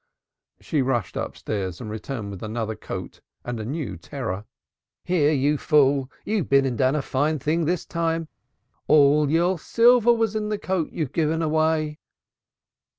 She rushed upstairs and returned with another coat and a new terror. "Here, you fool, you've been and done a fine thing this time! All your silver was in the coat you've given away!"